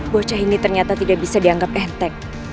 bocah ini ternyata tidak bisa dianggap enteng